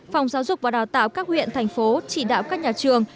phòng giáo dục và đào tạo các huyện thành phố chỉ đạo các nhà trường